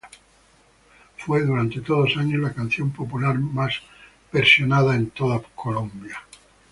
Fue durante varios años la canción popular más visitada de toda Colombia.